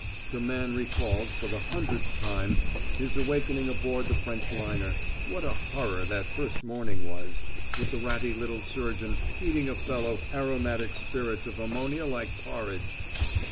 The man recalled, for the hundredth time, his awakening aboard the French liner what a horror that first morning was, with the ratty little surgeon feeding a fellow aromatic spirits of ammonia like porridge!